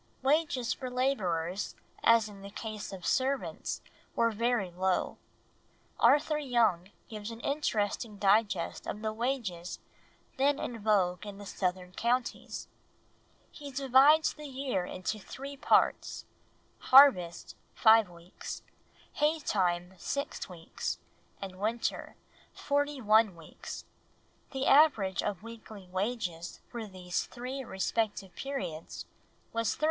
Wages for labourers, as in the case of servants, were very low. Arthur Young gives an interesting digest of the wages then in vogue in the southern counties. He divides the year into three parts: harvest, five weeks; hay time, six weeks; and winter, forty one weeks; the average of weekly wages for these three respective periods was 13s.